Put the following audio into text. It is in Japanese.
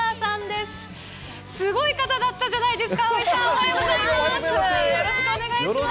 すごい方だったじゃないですか、葵さん、おはようございます。